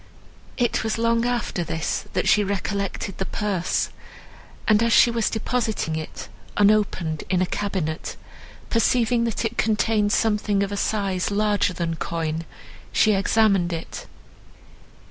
It was long after this, that she recollected the purse; and as she was depositing it, unopened, in a cabinet, perceiving that it contained something of a size larger than coin, she examined it.